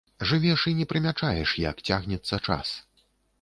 Жывеш і не прымячаеш, як цягнецца час.